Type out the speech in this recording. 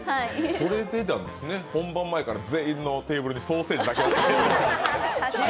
それでなんですね、本番前から全員のテーブルにソーセージだけ。